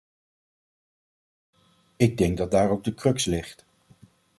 Ik denk dat daar ook de crux ligt.